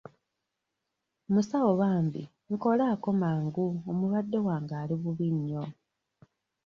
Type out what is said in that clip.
Musawo bambi nkolako mangu omulwadde wange ali bubi nnyo.